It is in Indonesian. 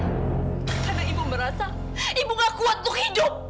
karena ibu merasa ibu gak kuat untuk hidup